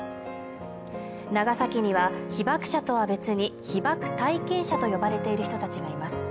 長崎には被爆者とは別に被爆体験者と呼ばれている人達がいます